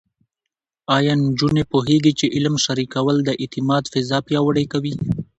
ایا نجونې پوهېږي چې علم شریکول د اعتماد فضا پیاوړې کوي؟